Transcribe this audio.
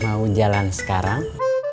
mau jalan sekarang